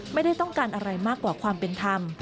ไม่ได้ต้องการอะไรมากกว่าความเป็นธรรม